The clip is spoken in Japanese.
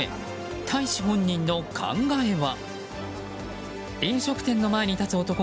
大使本人の考えは？